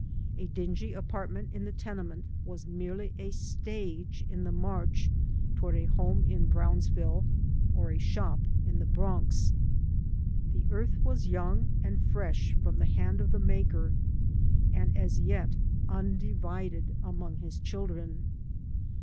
A dingy apartment in the tenement was merely a stage in the march toward a home in Brownsville or a shop in the Bronx. The earth was young and fresh from the hand of the Maker, and as yet undivided among His children.